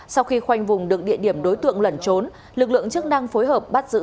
sau khi khoanh vùng được địa điểm đối tượng lẩn trốn lực lượng chức năng phối hợp bắt giữ